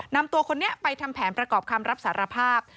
นำตัวคนนี้ไปทำแผนประกอบคำรับสารภาพ